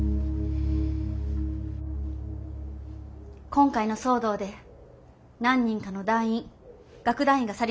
今回の騒動で何人かの団員楽団員が去りました。